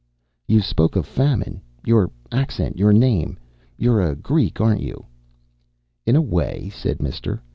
"You spoke of famine. Your accent your name. You're a Greek, aren't you?" "In a way," said Mister.